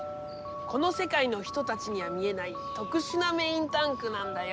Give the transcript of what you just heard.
このせかいの人たちには見えないとくしゅなメインタンクなんだよ。